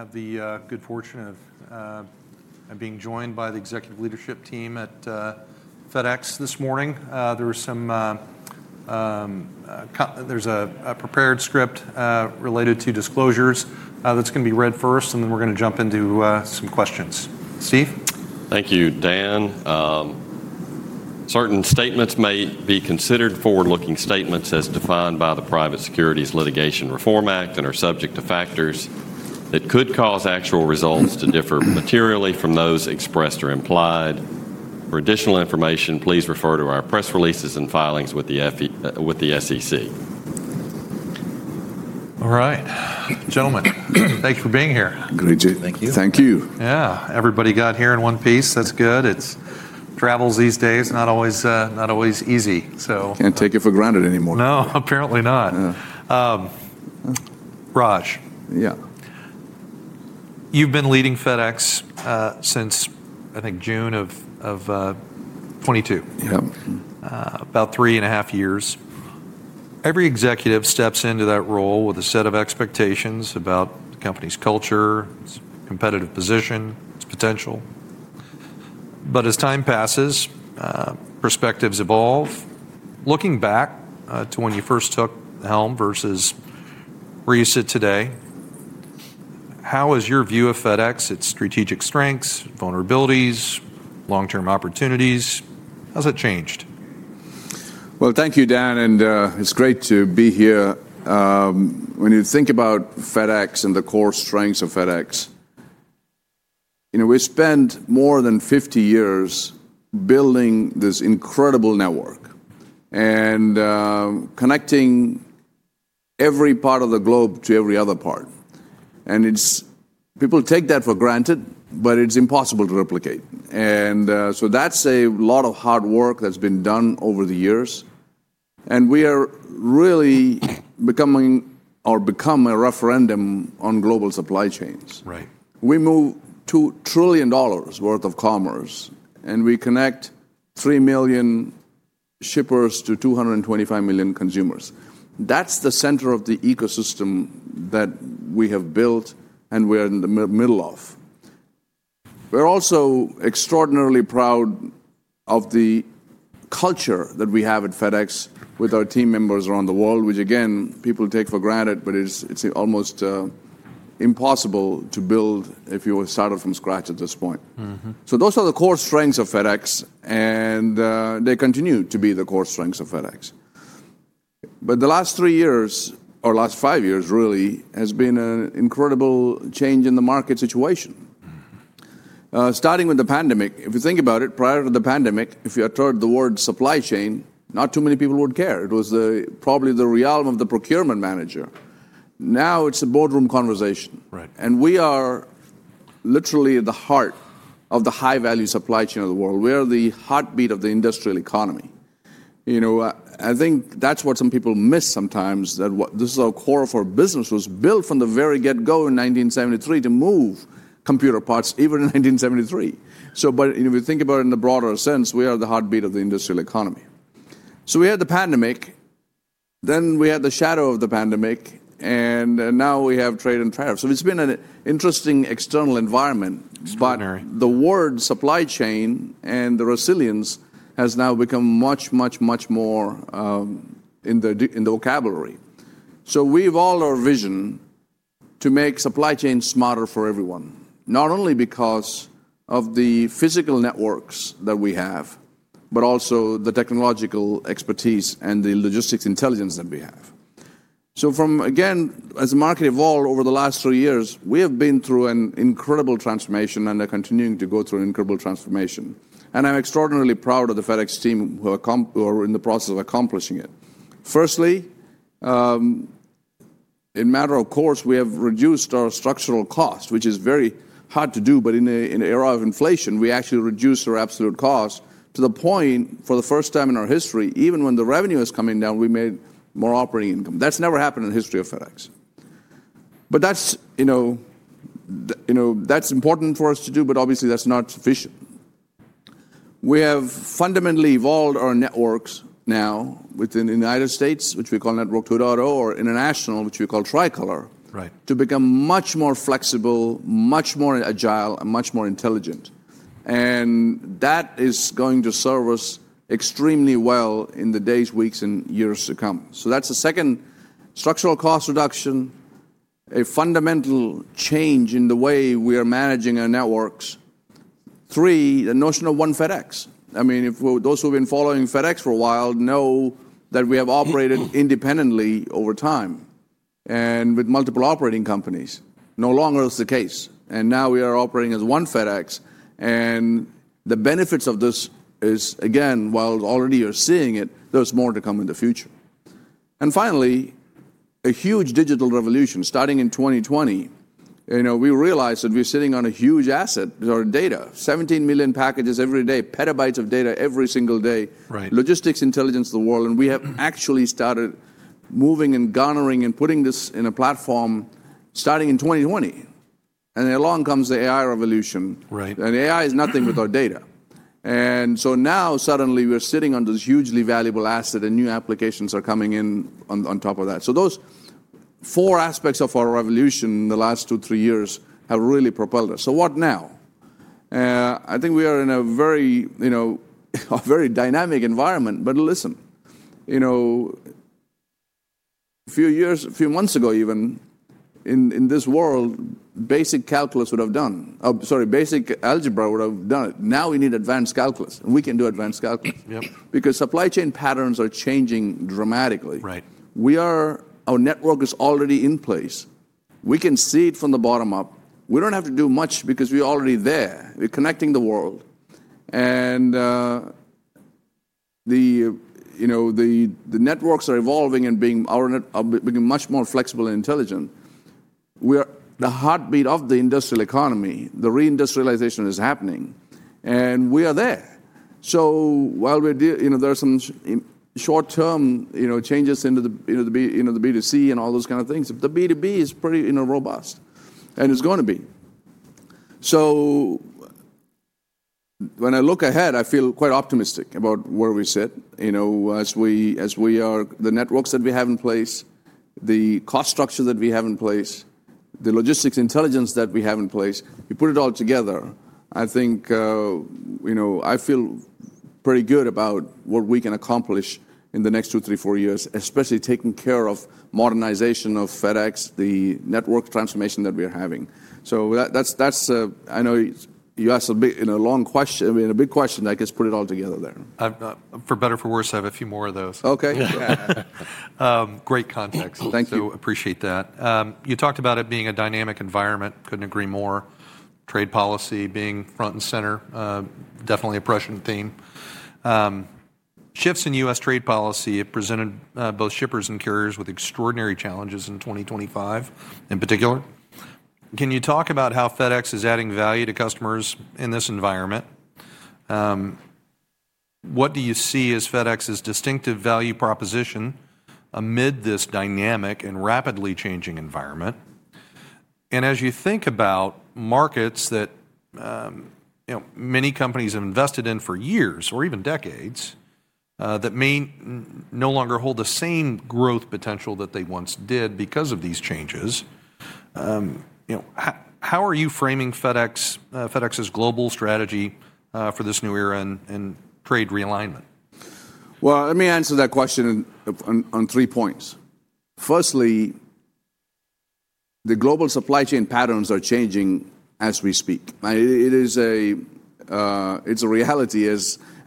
Have the good fortune of being joined by the executive leadership team at FedEx this morning. There is a prepared script related to disclosures that's going to be read first, and then we're going to jump into some questions. Steve? Thank you, Dan. Certain statements may be considered forward-looking statements as defined by the Private Securities Litigation Reform Act and are subject to factors that could cause actual results to differ materially from those expressed or implied. For additional information, please refer to our press releases and filings with the SEC. All right, gentlemen, thanks for being here. Good to be here. Thank you. Thank you. Yeah, everybody got here in one piece. That's good. It travels these days, not always easy. Can't take it for granted anymore. No, apparently not. Raj. Yeah. You've been leading FedEx since, I think, June of 2022. Yeah. About three and a half years. Every executive steps into that role with a set of expectations about the company's culture, its competitive position, its potential. As time passes, perspectives evolve. Looking back to when you first took the helm versus where you sit today, how has your view of FedEx, its strategic strengths, vulnerabilities, long-term opportunities, how's it changed? Thank you, Dan, and it's great to be here. When you think about FedEx and the core strengths of FedEx, we spent more than 50 years building this incredible network and connecting every part of the globe to every other part. People take that for granted, but it's impossible to replicate. That's a lot of hard work that's been done over the years. We are really becoming or become a referendum on global supply chains. We move $2 trillion worth of commerce, and we connect 3 million shippers to 225 million consumers. That's the center of the ecosystem that we have built, and we're in the middle of. We're also extraordinarily proud of the culture that we have at FedEx with our team members around the world, which, again, people take for granted, but it's almost impossible to build if you started from scratch at this point. Those are the core strengths of FedEx, and they continue to be the core strengths of FedEx. The last three years, or last five years really, has been an incredible change in the market situation. Starting with the pandemic, if you think about it, prior to the pandemic, if you had heard the word supply chain, not too many people would care. It was probably the realm of the procurement manager. Now it's a boardroom conversation. We are literally at the heart of the high-value supply chain of the world. We are the heartbeat of the industrial economy. I think that's what some people miss sometimes, that this is our core of our business. It was built from the very get-go in 1973 to move computer parts even in 1973. If you think about it in the broader sense, we are the heartbeat of the industrial economy. We had the pandemic, then we had the shadow of the pandemic, and now we have trade and tariffs. It has been an interesting external environment. Extraordinary. The word supply chain and the resilience has now become much, much, much more in the vocabulary. We have all our vision to make supply chains smarter for everyone, not only because of the physical networks that we have, but also the technological expertise and the logistics intelligence that we have. Again, as the market evolved over the last three years, we have been through an incredible transformation and are continuing to go through an incredible transformation. I'm extraordinarily proud of the FedEx team who are in the process of accomplishing it. Firstly, in a matter of course, we have reduced our structural cost, which is very hard to do, but in the era of inflation, we actually reduced our absolute cost to the point, for the first time in our history, even when the revenue is coming down, we made more operating income. That's never happened in the history of FedEx. That is important for us to do, but obviously that's not sufficient. We have fundamentally evolved our networks now within the United States, which we call Network 2.0, or international, which we call Tricolor, to become much more flexible, much more agile, and much more intelligent. That is going to serve us extremely well in the days, weeks, and years to come. That is the second, structural cost reduction, a fundamental change in the way we are managing our networks. Three, the notion of one FedEx. I mean, those who have been following FedEx for a while know that we have operated independently over time and with multiple operating companies. That is no longer the case. Now we are operating as one FedEx. The benefits of this is, again, while already you're seeing it, there's more to come in the future. Finally, a huge digital revolution starting in 2020. We realized that we're sitting on a huge asset, our data, 17 million packages every day, petabytes of data every single day, logistics intelligence of the world. We have actually started moving and garnering and putting this in a platform starting in 2020. Along comes the AI revolution. AI is nothing without data. Now suddenly we're sitting on this hugely valuable asset, and new applications are coming in on top of that. Those four aspects of our revolution in the last two, three years have really propelled us. What now? I think we are in a very dynamic environment, but listen. A few months ago even, in this world, basic calculus would have done, sorry, basic algebra would have done it. Now we need advanced calculus, and we can do advanced calculus. Because supply chain patterns are changing dramatically. Our network is already in place. We can see it from the bottom up. We do not have to do much because we are already there. We are connecting the world. The networks are evolving and being much more flexible and intelligent. We are the heartbeat of the industrial economy. The reindustrialization is happening, and we are there. While there are some short-term changes into the B2C and all those kind of things, the B2B is pretty robust, and it is going to be. When I look ahead, I feel quite optimistic about where we sit as we are, the networks that we have in place, the cost structure that we have in place, the logistics intelligence that we have in place. You put it all together, I think I feel pretty good about what we can accomplish in the next two, three, four years, especially taking care of modernization of FedEx, the network transformation that we are having. I know you asked a big question, I guess put it all together there. For better or for worse, I have a few more of those. Okay. Great context. Thank you. Appreciate that. You talked about it being a dynamic environment. Couldn't agree more. Trade policy being front and center, definitely a pressure theme. Shifts in U.S. trade policy have presented both shippers and carriers with extraordinary challenges in 2025 in particular. Can you talk about how FedEx is adding value to customers in this environment? What do you see as FedEx's distinctive value proposition amid this dynamic and rapidly changing environment? As you think about markets that many companies have invested in for years or even decades that may no longer hold the same growth potential that they once did because of these changes, how are you framing FedEx's global strategy for this new era and trade realignment? Let me answer that question on three points. Firstly, the global supply chain patterns are changing as we speak. It's a reality,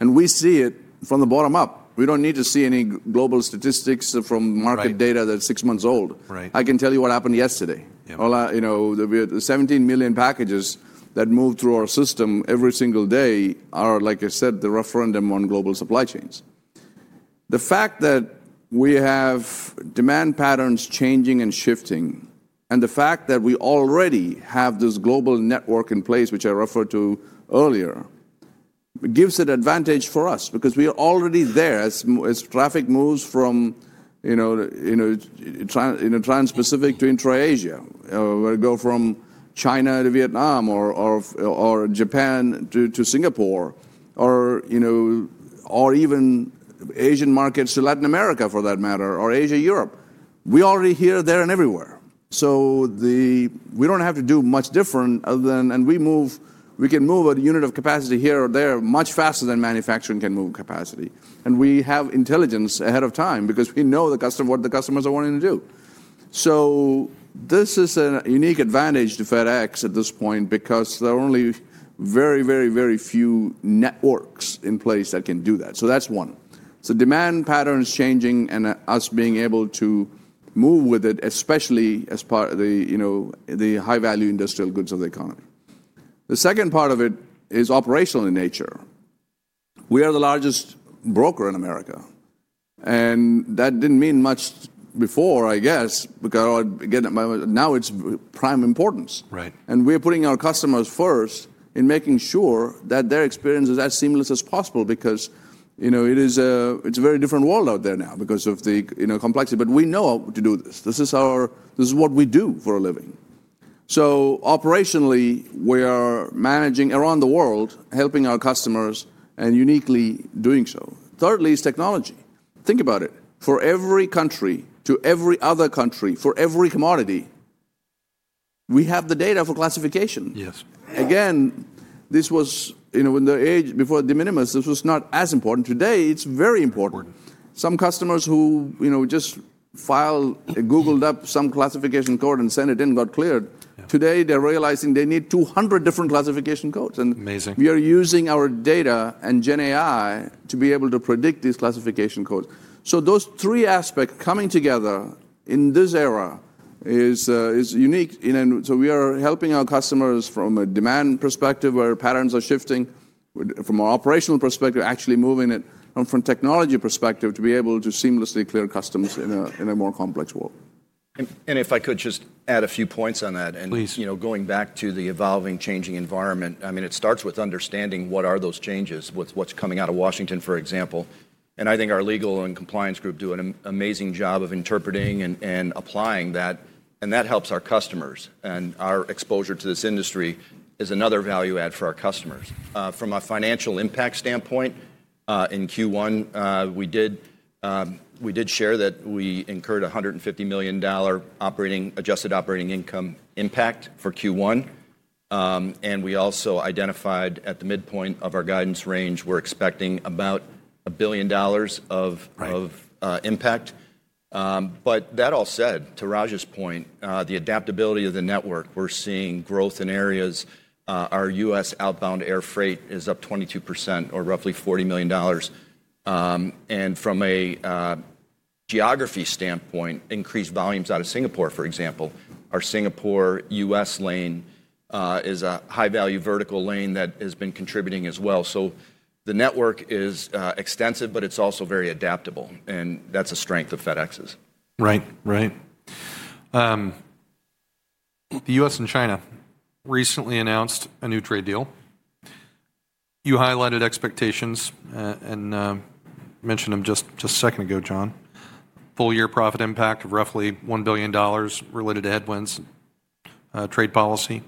and we see it from the bottom up. We don't need to see any global statistics from market data that's six months old. I can tell you what happened yesterday. The 17 million packages that move through our system every single day are, like I said, the referendum on global supply chains. The fact that we have demand patterns changing and shifting, and the fact that we already have this global network in place, which I referred to earlier, gives an advantage for us because we are already there as traffic moves from Trans-Pacific to Intra-Asia. We go from China to Vietnam or Japan to Singapore or even Asian markets to Latin America, for that matter, or Asia-Europe. We are already here, there, and everywhere. We do not have to do much different other than we can move a unit of capacity here or there much faster than manufacturing can move capacity. We have intelligence ahead of time because we know what the customers are wanting to do. This is a unique advantage to FedEx at this point because there are only very, very, very few networks in place that can do that. That is one. Demand patterns are changing and us being able to move with it, especially as part of the high-value industrial goods of the economy. The second part of it is operational in nature. We are the largest broker in America. That did not mean much before, I guess, because now it is of prime importance. We are putting our customers first in making sure that their experience is as seamless as possible because it's a very different world out there now because of the complexity. We know how to do this. This is what we do for a living. Operationally, we are managing around the world, helping our customers and uniquely doing so. Thirdly is technology. Think about it. For every country, to every other country, for every commodity, we have the data for classification. Again, this was in the age before de minimis, this was not as important. Today, it's very important. Some customers who just filed, Googled up some classification code and sent it in and got cleared. Today, they're realizing they need 200 different classification codes. Amazing. We are using our data and GenAI to be able to predict these classification codes. Those three aspects coming together in this era is unique. We are helping our customers from a demand perspective where patterns are shifting, from an operational perspective, actually moving it, from a technology perspective to be able to seamlessly clear customs in a more complex world. If I could just add a few points on that. Please. Going back to the evolving, changing environment, I mean, it starts with understanding what are those changes, what's coming out of Washington, for example. I think our legal and compliance group do an amazing job of interpreting and applying that. That helps our customers. Our exposure to this industry is another value add for our customers. From a financial impact standpoint, in Q1, we did share that we incurred a $150 million adjusted operating income impact for Q1. We also identified at the midpoint of our guidance range, we're expecting about $1 billion of impact. That all said, to Raj's point, the adaptability of the network, we're seeing growth in areas. Our U.S. outbound air freight is up 22% or roughly $40 million. From a geography standpoint, increased volumes out of Singapore, for example, our Singapore-U.S. lane is a high-value vertical lane that has been contributing as well. The network is extensive, but it is also very adaptable. That is a strength of FedEx's. Right, right. The U.S. and China recently announced a new trade deal. You highlighted expectations and mentioned them just a second ago, John. Full year profit impact of roughly $1 billion related to headwinds trade policy.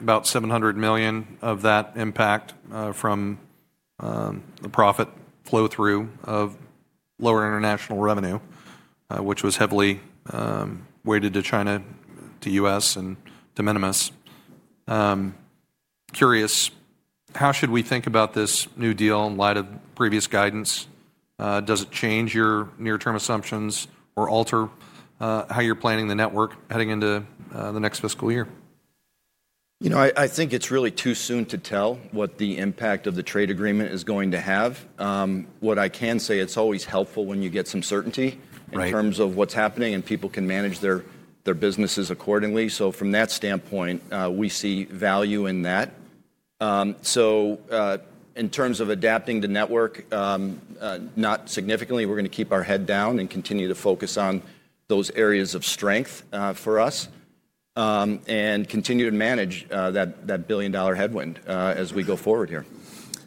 About $700 million of that impact from the profit flow-through of lower international revenue, which was heavily weighted to China, to U.S., and de minimis. Curious, how should we think about this new deal in light of previous guidance? Does it change your near-term assumptions or alter how you're planning the network heading into the next fiscal year? I think it's really too soon to tell what the impact of the trade agreement is going to have. What I can say, it's always helpful when you get some certainty in terms of what's happening and people can manage their businesses accordingly. From that standpoint, we see value in that. In terms of adapting the network, not significantly. We're going to keep our head down and continue to focus on those areas of strength for us and continue to manage that $1 billion headwind as we go forward here.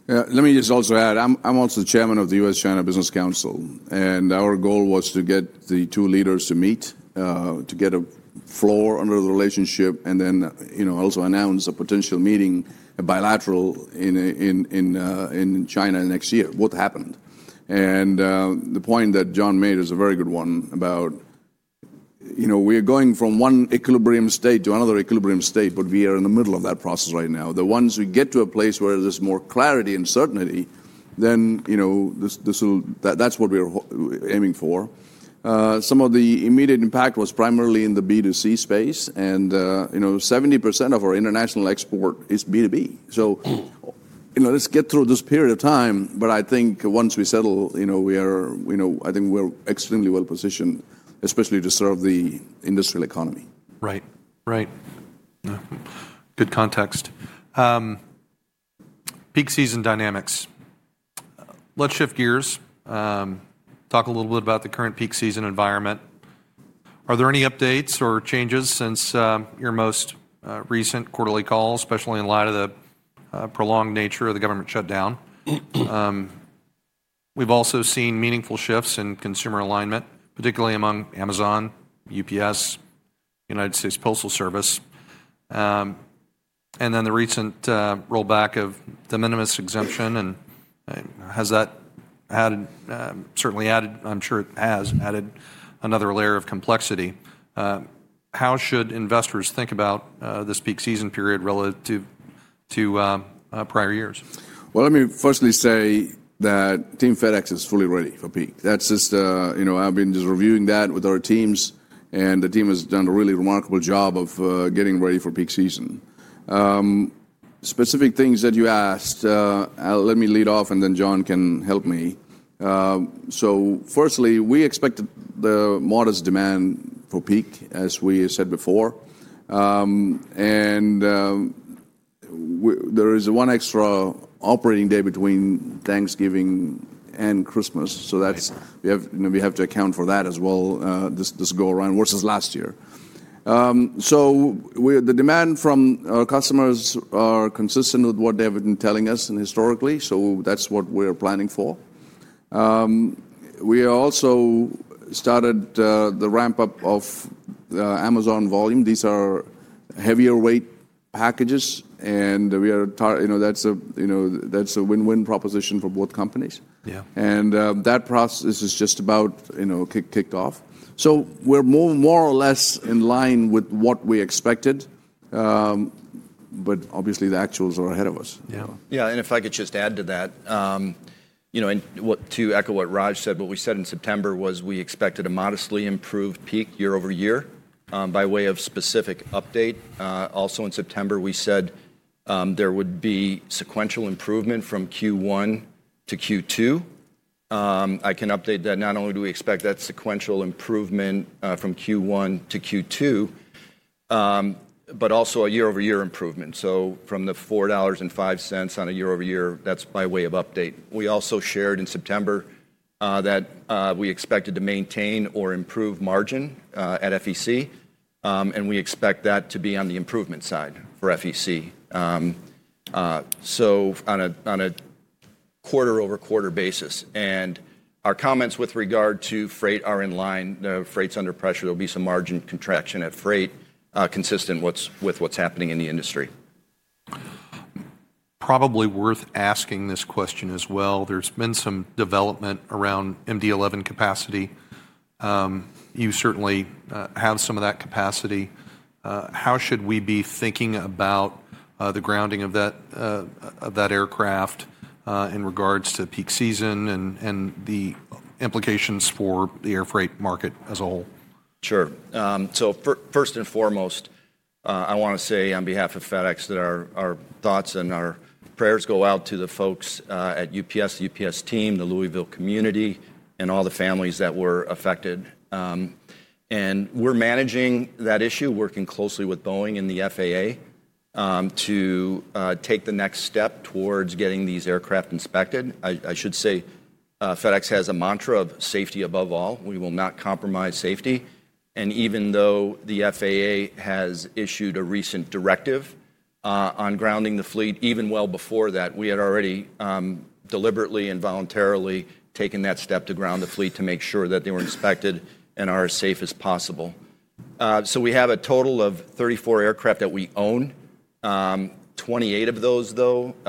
Let me just also add, I'm also the Chairman of the U.S.-China Business Council. Our goal was to get the two leaders to meet, to get a floor under the relationship, and then also announce a potential meeting, a bilateral in China next year, which happened. The point that John made is a very good one about we are going from one equilibrium state to another equilibrium state, but we are in the middle of that process right now. The ones who get to a place where there's more clarity and certainty, that's what we are aiming for. Some of the immediate impact was primarily in the B2C space. 70% of our international export is B2B. Let's get through this period of time. I think once we settle, I think we're extremely well positioned, especially to serve the industrial economy. Right, right. Good context. Peak season dynamics. Let's shift gears. Talk a little bit about the current peak season environment. Are there any updates or changes since your most recent quarterly call, especially in light of the prolonged nature of the government shutdown? We have also seen meaningful shifts in consumer alignment, particularly among Amazon, UPS, United States Postal Service. The recent rollback of de minimis exemption, and has that certainly added, I am sure it has added another layer of complexity. How should investors think about this peak season period relative to prior years? Let me firstly say that Team FedEx is fully ready for peak. I've been just reviewing that with our teams, and the team has done a really remarkable job of getting ready for peak season. Specific things that you asked, let me lead off, and then John can help me. Firstly, we expected the modest demand for peak, as we said before. There is one extra operating day between Thanksgiving and Christmas. We have to account for that as well this go around versus last year. The demand from our customers is consistent with what they've been telling us historically. That's what we're planning for. We also started the ramp-up of Amazon volume. These are heavier-weight packages, and that's a win-win proposition for both companies. That process is just about kicked off. We're more or less in line with what we expected, but obviously the actuals are ahead of us. Yeah. Yeah. If I could just add to that, to echo what Raj said, what we said in September was we expected a modestly improved peak year over year. By way of specific update, also in September, we said there would be sequential improvement from Q1 to Q2. I can update that. Not only do we expect that sequential improvement from Q1 to Q2, but also a year-over-year improvement. From the $4.05 on a year-over-year, that's by way of update. We also shared in September that we expected to maintain or improve margin at FEC, and we expect that to be on the improvement side for FEC on a quarter-over-quarter basis. Our comments with regard to freight are in line. Freight's under pressure. There will be some margin contraction at freight consistent with what's happening in the industry. Probably worth asking this question as well. There's been some development around MD-11 capacity. You certainly have some of that capacity. How should we be thinking about the grounding of that aircraft in regards to peak season and the implications for the air freight market as a whole? Sure. First and foremost, I want to say on behalf of FedEx that our thoughts and our prayers go out to the folks at UPS, the UPS team, the Louisville community, and all the families that were affected. We are managing that issue, working closely with Boeing and the FAA to take the next step towards getting these aircraft inspected. I should say FedEx has a mantra of safety above all. We will not compromise safety. Even though the FAA has issued a recent directive on grounding the fleet, even well before that, we had already deliberately and voluntarily taken that step to ground the fleet to make sure that they were inspected and are as safe as possible. We have a total of 34 aircraft that we own.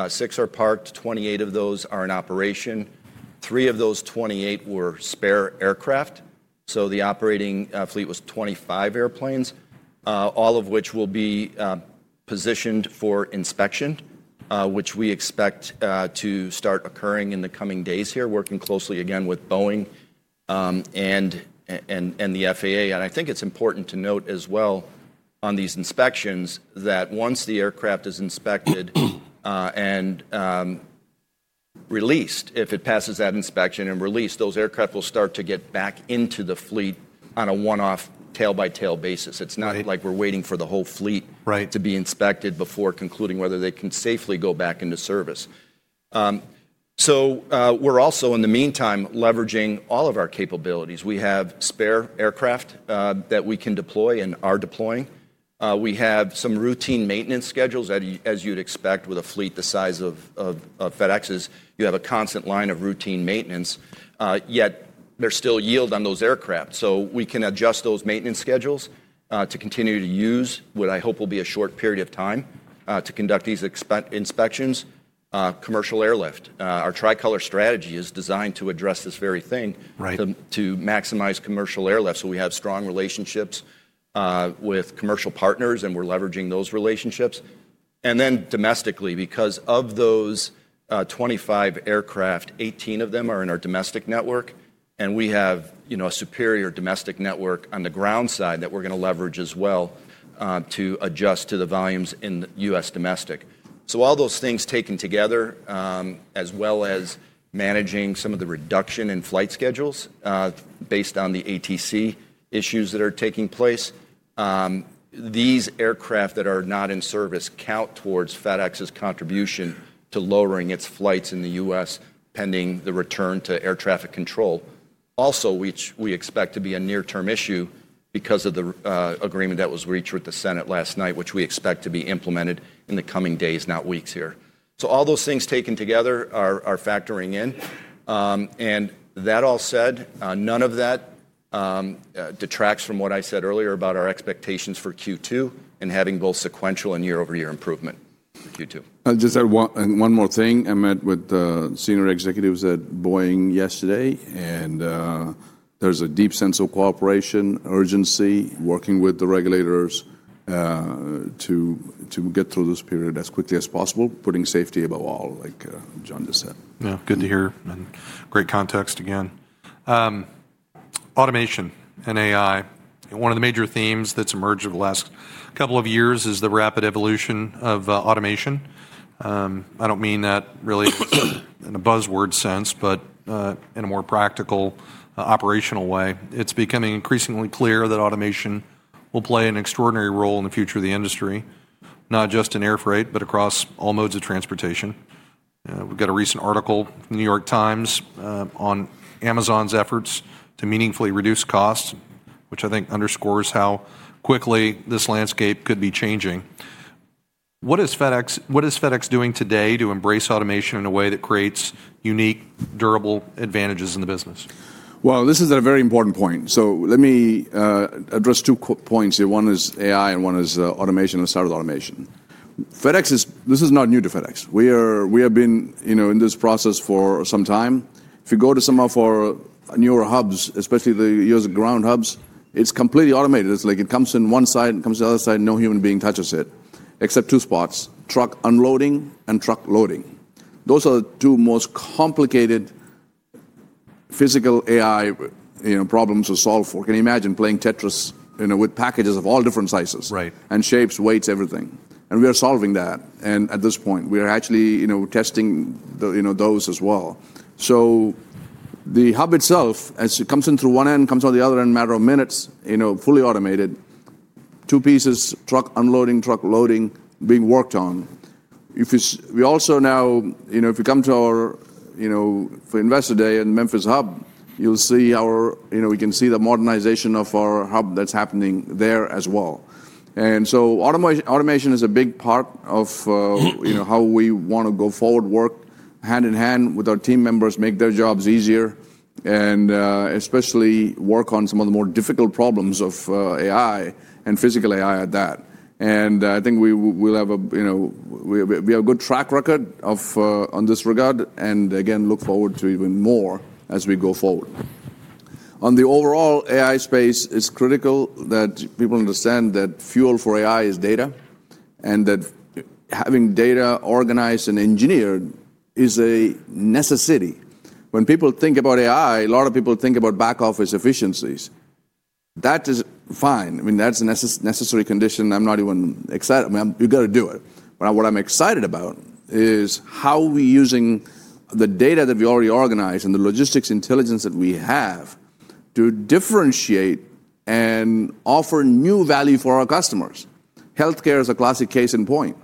Six are parked, 28 of those are in operation. Three of those 28 were spare aircraft. The operating fleet was 25 airplanes, all of which will be positioned for inspection, which we expect to start occurring in the coming days here, working closely again with Boeing and the FAA. I think it's important to note as well on these inspections that once the aircraft is inspected and released, if it passes that inspection and is released, those aircraft will start to get back into the fleet on a one-off tail-by-tail basis. It's not like we're waiting for the whole fleet to be inspected before concluding whether they can safely go back into service. We're also, in the meantime, leveraging all of our capabilities. We have spare aircraft that we can deploy and are deploying. We have some routine maintenance schedules. As you'd expect with a fleet the size of FedEx's, you have a constant line of routine maintenance. Yet there's still yield on those aircraft. We can adjust those maintenance schedules to continue to use what I hope will be a short period of time to conduct these inspections, commercial airlift. Our tricolor strategy is designed to address this very thing to maximize commercial airlift. We have strong relationships with commercial partners, and we're leveraging those relationships. Domestically, because of those 25 aircraft, 18 of them are in our domestic network, and we have a superior domestic network on the ground side that we're going to leverage as well to adjust to the volumes in the U.S. domestic. All those things taken together, as well as managing some of the reduction in flight schedules based on the ATC issues that are taking place, these aircraft that are not in service count towards FedEx's contribution to lowering its flights in the U.S. pending the return to air traffic control. Also, which we expect to be a near-term issue because of the agreement that was reached with the Senate last night, which we expect to be implemented in the coming days, not weeks here. All those things taken together are factoring in. That all said, none of that detracts from what I said earlier about our expectations for Q2 and having both sequential and year-over-year improvement for Q2. Just one more thing. I met with the senior executives at Boeing yesterday, and there is a deep sense of cooperation, urgency, working with the regulators to get through this period as quickly as possible, putting safety above all, like John just said. Yeah. Good to hear. Great context again. Automation and AI. One of the major themes that's emerged over the last couple of years is the rapid evolution of automation. I don't mean that really in a buzzword sense, but in a more practical operational way. It's becoming increasingly clear that automation will play an extraordinary role in the future of the industry, not just in air freight, but across all modes of transportation. We've got a recent article from The New York Times on Amazon's efforts to meaningfully reduce costs, which I think underscores how quickly this landscape could be changing. What is FedEx doing today to embrace automation in a way that creates unique, durable advantages in the business? This is a very important point. Let me address two points here. One is AI and one is automation and started automation. This is not new to FedEx. We have been in this process for some time. If you go to some of our newer hubs, especially the U.S. ground hubs, it is completely automated. It is like it comes in one side, it comes to the other side, no human being touches it, except two spots: truck unloading and truck loading. Those are the two most complicated physical AI problems to solve for. Can you imagine playing Tetris with packages of all different sizes and shapes, weights, everything? We are solving that. At this point, we are actually testing those as well. The hub itself, as it comes in through one end, comes out the other end in a matter of minutes, fully automated, two pieces, truck unloading, truck loading, being worked on. We also now, if you come to our Investor Day in Memphis hub, you will see we can see the modernization of our hub that is happening there as well. Automation is a big part of how we want to go forward, work hand in hand with our team members, make their jobs easier, and especially work on some of the more difficult problems of AI and physical AI at that. I think we have a good track record in this regard and again, look forward to even more as we go forward. On the overall AI space, it's critical that people understand that fuel for AI is data and that having data organized and engineered is a necessity. When people think about AI, a lot of people think about back office efficiencies. That is fine. I mean, that's a necessary condition. I'm not even excited. You got to do it. What I'm excited about is how we're using the data that we already organize and the logistics intelligence that we have to differentiate and offer new value for our customers. Healthcare is a classic case in point.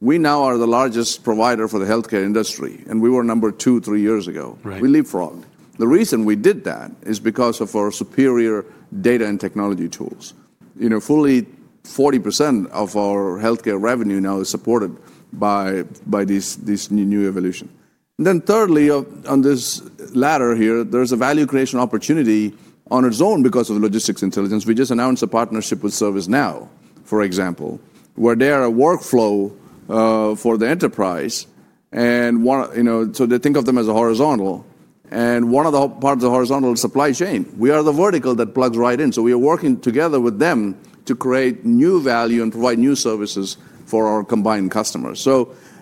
We now are the largest provider for the healthcare industry, and we were number two three years ago. We leapfrogged. The reason we did that is because of our superior data and technology tools. Fully 40% of our healthcare revenue now is supported by this new evolution. Thirdly, on this ladder here, there is a value creation opportunity on its own because of the logistics intelligence. We just announced a partnership with ServiceNow, for example, where they are a workflow for the enterprise. They think of them as a horizontal. One of the parts of the horizontal is supply chain. We are the vertical that plugs right in. We are working together with them to create new value and provide new services for our combined customers.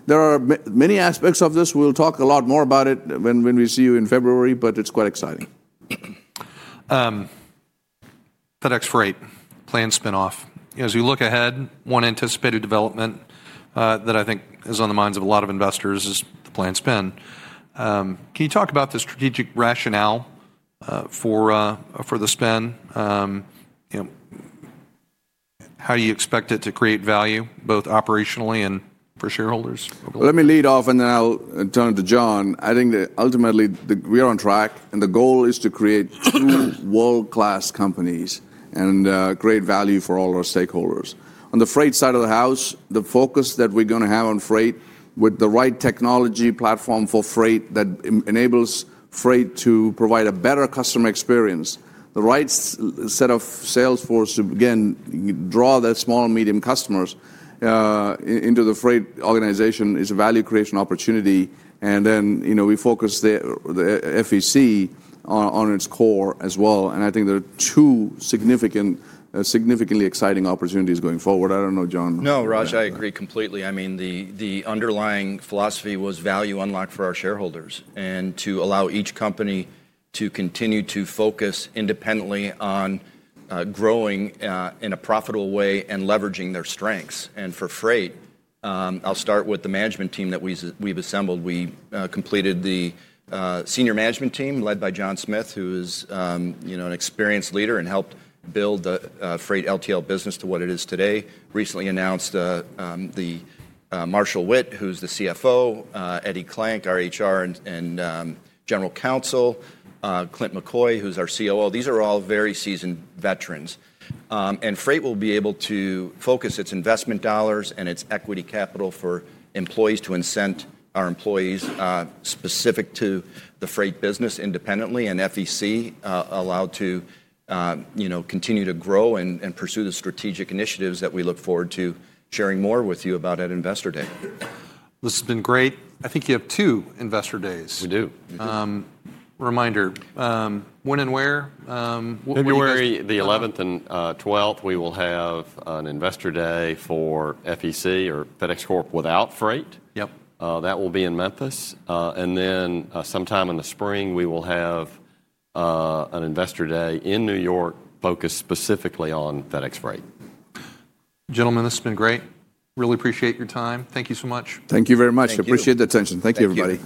There are many aspects of this. We will talk a lot more about it when we see you in February, but it is quite exciting. FedEx Freight, plan spin-off. As we look ahead, one anticipated development that I think is on the minds of a lot of investors is the plan spin. Can you talk about the strategic rationale for the spin? How do you expect it to create value both operationally and for shareholders? Let me lead off, and then I'll turn it to John. I think that ultimately we are on track, and the goal is to create two world-class companies and create value for all our stakeholders. On the freight side of the house, the focus that we're going to have on freight with the right technology platform for freight that enables freight to provide a better customer experience, the right set of sales force to, again, draw the small and medium customers into the freight organization is a value creation opportunity. Then we focus the FEC on its core as well. I think there are two significantly exciting opportunities going forward. I don't know, John. No, Raj, I agree completely. I mean, the underlying philosophy was value unlocked for our shareholders and to allow each company to continue to focus independently on growing in a profitable way and leveraging their strengths. For freight, I'll start with the management team that we've assembled. We completed the senior management team led by John Smith, who is an experienced leader and helped build the freight LTL business to what it is today. Recently announced the Marshall Witt, who's the CFO, Eddie Klank, our HR and general counsel, Clint McCoy, who's our COO. These are all very seasoned veterans. Freight will be able to focus its investment dollars and its equity capital for employees to incent our employees specific to the freight business independently. FEC allowed to continue to grow and pursue the strategic initiatives that we look forward to sharing more with you about at Investor Day. This has been great. I think you have two investor days. We do. Reminder, when and where? February the 11th and 12th, we will have an investor day for FEC or FedEx Corp without freight. That will be in Memphis. Then sometime in the spring, we will have an investor day in New York focused specifically on FedEx Freight. Gentlemen, this has been great. Really appreciate your time. Thank you so much. Thank you very much. Appreciate the attention. Thank you, everybody.